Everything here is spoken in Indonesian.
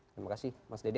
terima kasih mas dede